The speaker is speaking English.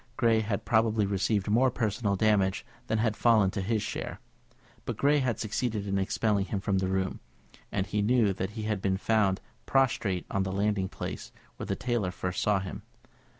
Grey had probably received more personal damage than had fallen to his share; but Grey had succeeded in expelling him from the room, and he knew that he had been found prostrate on the landing place when the tailor first saw him.